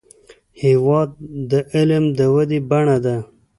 هېواد د علم د ودې بڼه ده.